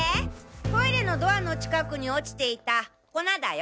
トイレのドアの近くに落ちていた粉だよ。